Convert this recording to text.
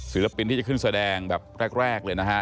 ศิลปินที่จะขึ้นแสดงแบบแรกเลยนะฮะ